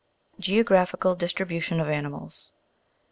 GEOGRAPHICAL DISTRIBUTION OF ANIMALS.